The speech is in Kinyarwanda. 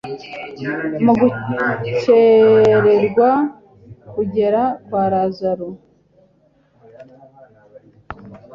Mu gukererwa kugera kwa Lazaro,